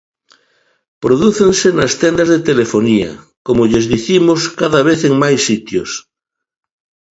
Prodúcense nas tendas de telefonía, como lles dicimos, cada vez en máis sitios.